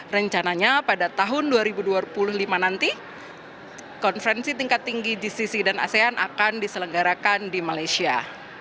rencananya pada tahun dua ribu dua puluh lima nanti konferensi tingkat tinggi gcc dan asean akan diselenggarakan di malaysia